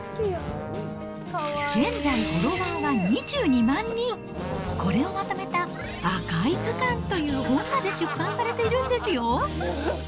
現在、フォロワーは２２万人、これをまとめた赤井図鑑という本まで出版されているんですよ。